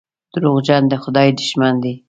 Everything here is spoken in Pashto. دروغجن د خدای دښمن دی.